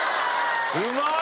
うまい！